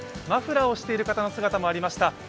マフラーをしている人の姿もありました。